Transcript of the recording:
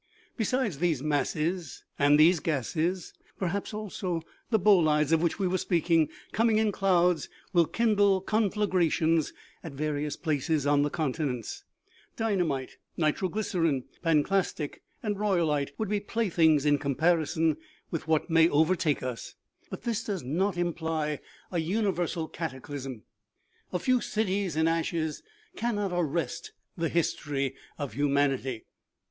" Besides these masses and these gases, perhaps also the bolides of which we were speaking, coming in clouds, will kindle conflagrations at various places on the continents ; dynamite, nitroglycerine, panclastite and royalite would be playthings in comparison with what may overtake us, but this does not imply a universal 4 8 OMEGA. cataclysm ; a few cities in ashes cannot arrest the his tory of humanity.